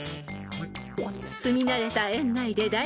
［すみ慣れた園内でだ